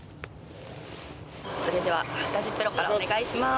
それでは幡地プロからお願いします。